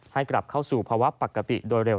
ให้กลับเข้าสู่ภาวะปกติโดยเร็ว